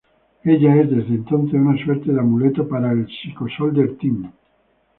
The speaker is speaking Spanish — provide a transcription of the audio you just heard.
Ella es desde entonces una suerte de amuleto para el "Psycho Soldier Team".